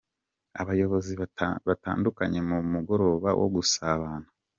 Abayobozi batandukanye mu mugoroba wo gusabana.